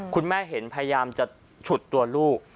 คุณแม่เห็นพยายามจะฉุดตัวลูก